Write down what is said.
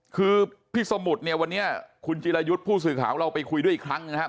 คือพี่สมุทรเนี่ยวันนี้คุณจิรายุทธ์ผู้สื่อข่าวของเราไปคุยด้วยอีกครั้งนะครับ